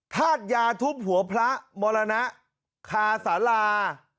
ทาธญาทุบหัวพระมรณะขาสารา